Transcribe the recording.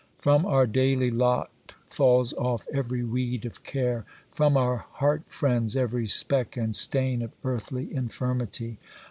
From our daily lot falls off every weed of care,—from our heart friends every speck and stain of earthly infirmity.